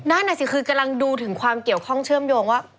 นั่นน่ะสิคือกำลังดูถึงความเกี่ยวข้องเชื่อมโยงว่า